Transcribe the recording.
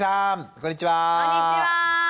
こんにちは。